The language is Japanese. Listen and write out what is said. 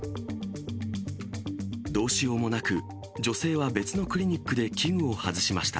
どうしようもなく、女性は別のクリニックで器具を外しました。